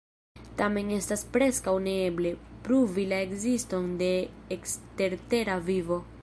Tamen estas preskaŭ ne eble, pruvi la ekziston de ekstertera vivo.